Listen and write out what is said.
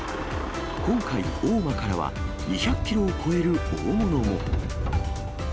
今回、大間からは２００キロを超える大物も。